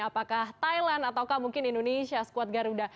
apakah thailand ataukah mungkin indonesia squad garuda